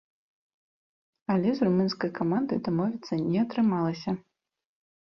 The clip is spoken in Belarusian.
Але з румынскай камандай дамовіцца не атрымалася.